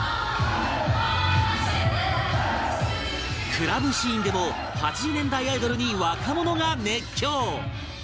クラブシーンでも８０年代アイドルに若者が熱狂